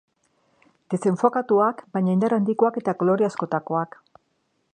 Desenfokatuak, baina indar handikoak eta kolore askotakoak.